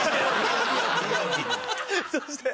そして。